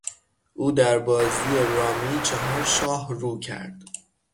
او در بازی رامی چهار شاه رو کرد.